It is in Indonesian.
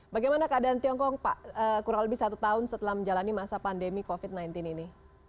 bagaimana keadaan tiongkok pak kurang lebih satu tahun setelah menjalani masa pandemi covid sembilan belas ini